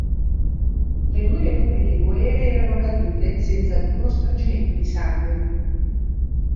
Le due repubbliche boere erano cadute senza alcuno spargimento di sangue.